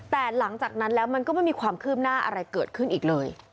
แต่หลังจากนั้นแล้วมันก็ไม่มีความคืบหน้าอะไรเกิดขึ้นอีกเลย